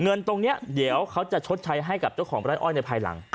เงินตรงนี้เดี๋ยวเขาจะชดใช้ให้กับเจ้าของไร่อ้อยในภายหลัง